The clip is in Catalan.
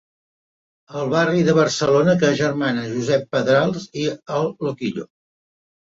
El barri de Barcelona que agermana Josep Pedrals i el Loquillo.